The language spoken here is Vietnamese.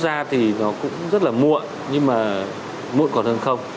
bài học rút ra thì nó cũng rất là muộn nhưng mà muộn còn hơn không